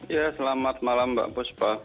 ya selamat malam mbak puspa